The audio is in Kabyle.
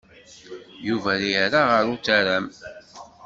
Yuba yerra ɣer utaram.